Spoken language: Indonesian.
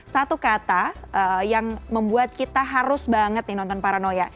satu kata yang membuat kita harus banget nih nonton paranoya